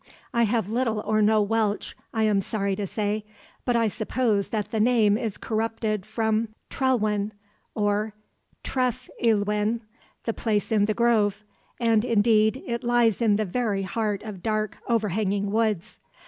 I have little or no Welsh, I am sorry to say, but I suppose that the name is corrupted from Trellwyn, or Tref y llwyn, "the place in the grove," and, indeed, it lies in the very heart of dark, overhanging woods.